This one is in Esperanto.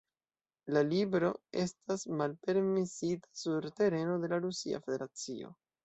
La libro estas malpermesita sur tereno de la Rusia Federacio.